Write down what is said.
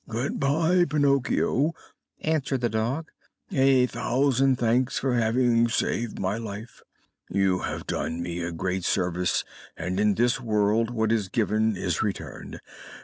"Good bye, Pinocchio," answered the dog; "a thousand thanks for having saved my life. You have done me a great service, and in this world what is given is returned.